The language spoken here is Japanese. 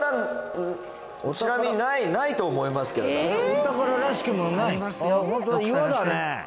お宝らしきものない？